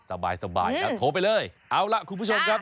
สบายแล้วโทรไปเลยเอาล่ะคุณผู้ชมครับ